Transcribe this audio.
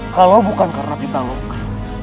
kalau bukan karena pitaloka